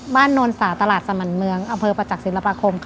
โนนสาตลาดสมันเมืองอำเภอประจักษ์ศิลปาคมค่ะ